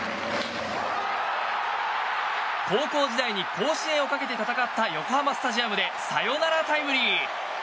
高校時代に甲子園をかけて戦った横浜スタジアムでサヨナラタイムリー！